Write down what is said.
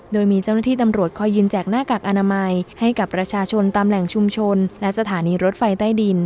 โดยมีเจ้าหน้าที่ตำรวจคอยยืนแจกหน้ากากอนามัยให้กับประชาชนตามแหล่งชุมชนและสถานีรถไฟใต้ดิน